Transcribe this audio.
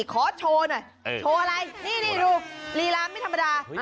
ขอโชว์หน่อยโชว์อะไรนี่ดูลีลาไม่ธรรมดา